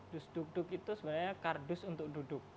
dus duk duk itu sebenarnya kardus untuk duduk